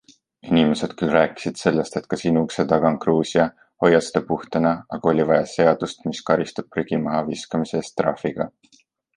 Inimesed küll rääkisid sellest, et ka sinu ukse taga on Gruusia, hoia seda puhtana, aga oli vaja seadust, mis karistab prügi mahaviskamise eest trahviga.